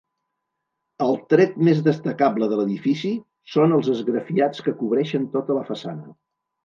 El tret més destacable de l'edifici són els esgrafiats que cobreixen tota la façana.